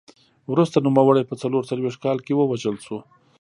وروسته نوموړی په څلور څلوېښت کال کې ووژل شو